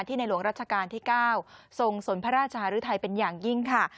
ในหลวงรัชกาลที่๙ทรงสนพระราชหรือไทยเป็นอย่างยิ่งค่ะ